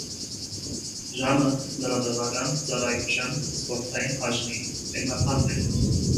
«Ժամը» լրատվական ծառայության սպորտային բաժնի մեկնաբանն է։